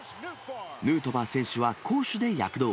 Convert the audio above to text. ヌートバー選手は攻守で躍動。